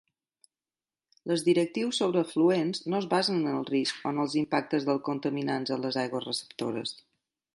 Les directrius sobre efluents no es basen en el risc o en els impactes dels contaminants en les aigües receptores.